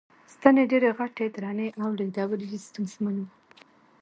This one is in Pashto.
ستنې ډېرې غټې، درنې او لېږدول یې ستونزمن و.